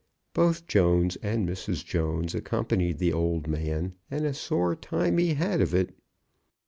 Both Jones and Mrs. Jones accompanied the old man, and a sore time he had of it.